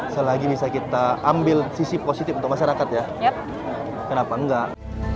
selagi bisa kita ambil sisi positif untuk masyarakat ya kenapa enggak